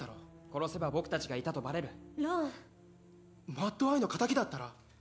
殺せば僕達がいたとバレるロンマッド−アイの敵だったら？